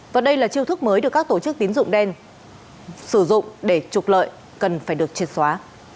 và đây là chiêu thức mới được các tổ chức tín dụng đen sử dụng để trục lợi cần phải được triệt xóa